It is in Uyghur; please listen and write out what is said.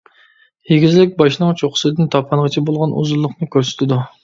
ئېگىزلىك باشنىڭ چوققىسىدىن تاپانغىچە بولغان ئۇزۇنلۇقنى كۆرسىتىدۇ.